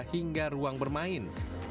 hingga ruang bermain